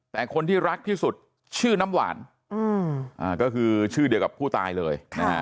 แต่คนที่รักที่สุดชื่อน้ำหวานก็คือชื่อเดียวกับผู้ตายเลย